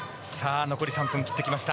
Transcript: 残り３分切ってきました。